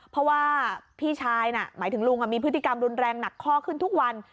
เพราะว่าพี่ชายน่ะหมายถึงลุงมีพฤติกรรมรุนแรงหนักข้อขึ้นทุกวัน